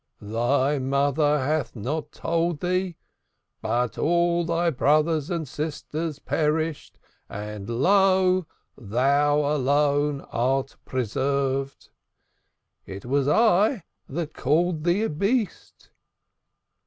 "Thy mother hath not told thee, but all thy brothers and sisters perished, and, lo! thou alone art preserved! It was I that called thee a beast."